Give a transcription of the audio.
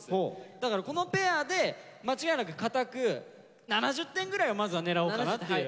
だからこのペアで間違いなく堅く７０点ぐらいはまずは狙おうかなっていう。